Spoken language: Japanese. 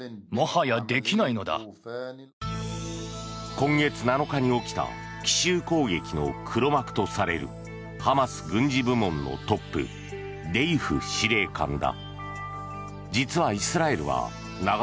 今月７日に起きた奇襲攻撃の黒幕とされるハマス軍事部門のトップデイフ司令官だ。